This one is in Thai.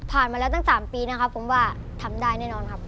มาแล้วตั้ง๓ปีนะครับผมว่าทำได้แน่นอนครับ